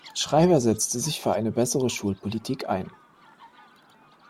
Schreiber setzte sich für eine bessere Schulpolitik ein.